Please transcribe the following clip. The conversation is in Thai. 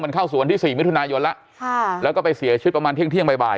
เข้าสู่วันที่สี่มิถุนายนแล้วค่ะแล้วก็ไปเสียชีวิตประมาณเที่ยงบ่าย